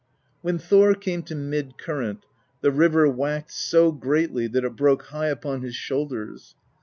When Thor came to mid current, the river waxed so greatly that it broke high upon his shoul ders.